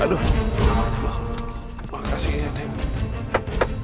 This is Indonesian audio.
aduh makasih ya teman teman